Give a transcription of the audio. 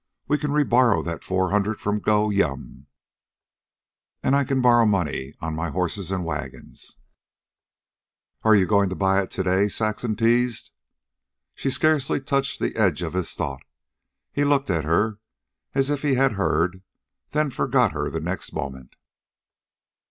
We can re borrow that four hundred from Gow Yum, an' I can borrow money on my horses an' wagons " "Are you going to buy it to day?" Saxon teased. She scarcely touched the edge of his thought. He looked at her, as if he had heard, then forgot her the next moment.